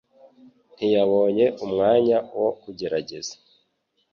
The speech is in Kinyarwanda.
ntiyabonye umwanya wo kugerageza